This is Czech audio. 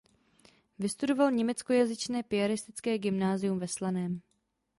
Vystudoval německojazyčné piaristické gymnázium ve Slaném.